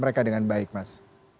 mereka dengan baik mas